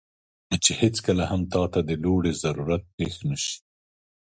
چې هیڅکله هم تاته د لوړې ضرورت پېښ نه شي،